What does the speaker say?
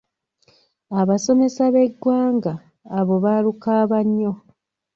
"Abasomesa b'eggwanga, abo baalukaaba nnyo."